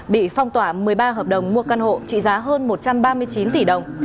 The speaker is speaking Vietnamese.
bị phong tỏa một mươi ba hợp đồng mua căn hộ trị giá hơn một trăm ba mươi chín tỷ đồng